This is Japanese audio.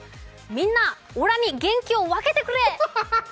みんなオラに元気を分けてくれ！